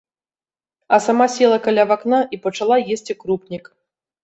А сама села каля вакна і пачала есці крупнік.